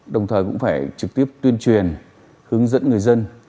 đồng thời cũng phải trực tiếp tuyên truyền hướng dẫn người dân